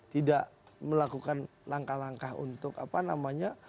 tidak melakukan langkah langkah untuk apa namanya